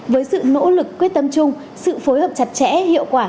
với sự nỗ lực quyết tâm chung sự phối hợp chặt chẽ hiệu quả